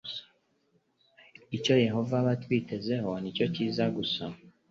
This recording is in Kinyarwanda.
icyo yehova aba atwitezeho ni cyiza gusa